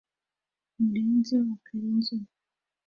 murenzi wa karinzobe,